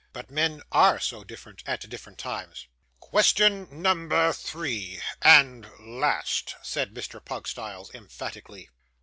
But men ARE so different at different times! 'Question number three and last,' said Mr. Pugstyles, emphatically.